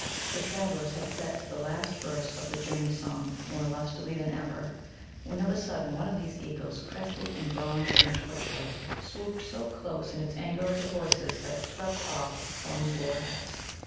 The travellers had set to the last verse of the Journey Song more lustily than ever, when of a sudden one of these eagles, crested, and bronze in the torchlight, swooped so close in its anger of the voices that it swept off Thumb's wool hat.